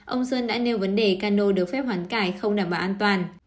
ông sơn đã nêu vấn đề cano được phép hoán cải không đảm bảo an toàn